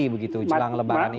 begitu jelang lebaran ini